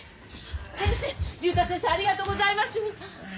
先生竜太先生ありがとうございます。